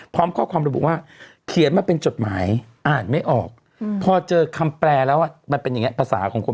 พร้อมความรู้ว่าเขียนมาเป็นจดหมายอ่านไม่ออกพอเจอคำแปลแล้วอ่ะมันเป็นอย่างเงี้ย